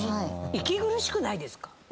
⁉息苦しくないですか？